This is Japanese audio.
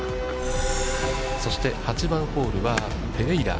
そして、８番ホールは、ペレイラ。